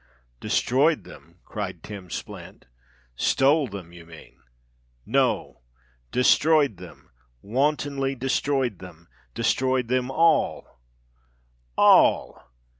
"Destroyed them!" cried Tim Splint. "Stole them, you mean?" "No—destroyed them—wantonly destroyed them—destroyed them all—all!"